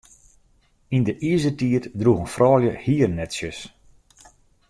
Yn de Izertiid droegen froulju hiernetsjes.